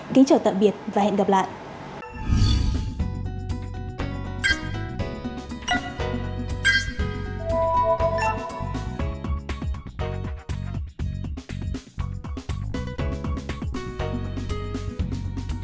xin chào và hẹn gặp lại